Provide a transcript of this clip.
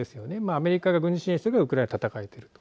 アメリカが軍事支援すればウクライナが戦えていると。